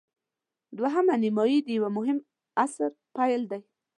دوهمه نیمايي د یوه مهم عصر پیل دی.